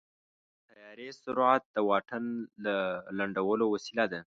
د طیارې سرعت د واټن د لنډولو وسیله ده.